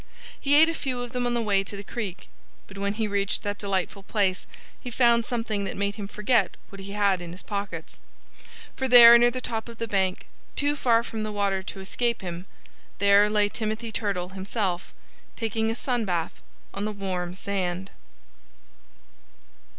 He ate a few of them on the way to the creek. But when he reached that delightful place he found something that made him forget what he had in his pockets. For there near the top of the bank, too far from the water to escape him there lay Timothy Turtle himself, taking a sun bath on the warm sand.